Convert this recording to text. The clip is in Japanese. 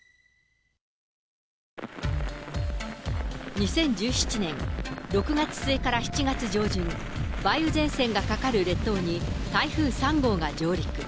２０１７年、６月末から７月上旬、梅雨前線がかかる列島に、台風３号が上陸。